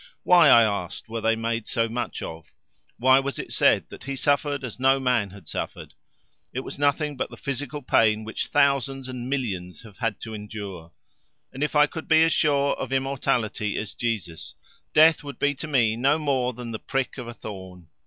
Why, I asked, were they made so much of? why was it said that He suffered as no man had suffered? It was nothing but the physical pain which thousands and millions have had to endure! And if I could be as sure of immortality as Jesus, death would be to me no more than the prick of a thorn.